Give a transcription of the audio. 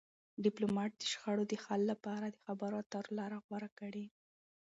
ډيپلومات د شخړو د حل لپاره د خبرو اترو لار غوره کوي.